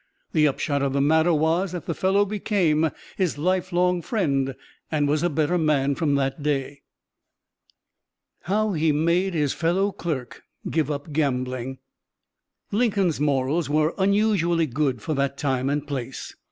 The upshot of the matter was that the fellow became his life long friend, and was a better man from that day." HOW HE MADE HIS FELLOW CLERK GIVE UP GAMBLING Lincoln's morals were unusually good for that time and place.